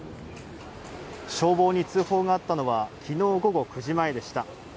消防に通報があったのは昨日、午後９時前でした。